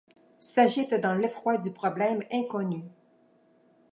S’agite dans l’effroi du problème inconnu ;